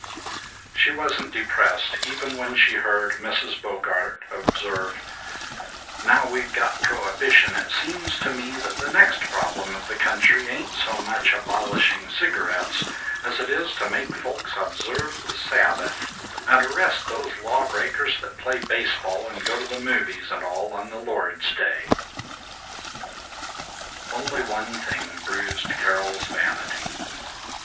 She wasn't depressed even when she heard Mrs. Bogart observe, "Now we've got prohibition it seems to me that the next problem of the country ain't so much abolishing cigarettes as it is to make folks observe the Sabbath and arrest these law breakers that play baseball and go to the movies and all on the Lord's Day." Only one thing bruised Carol's vanity.